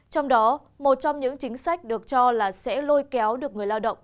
trong đó một trong những chính sách được cho là sẽ lôi kéo được người lao động